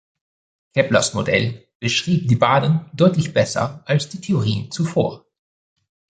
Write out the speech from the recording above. Keplers Modell beschrieb die Bahnen deutlich besser als die Theorien zuvor.